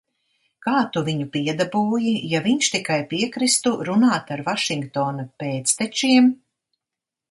Kā tu viņu piedabūji, ja viņš tikai piekristu runāt ar Vašingtona pēctečiem?